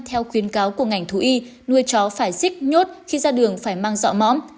theo khuyến cáo của ngành thú y nuôi chó phải xích nhốt khi ra đường phải mang dọ mõm